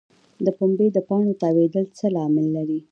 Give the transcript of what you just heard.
د پنبې د پاڼو تاویدل څه لامل لري؟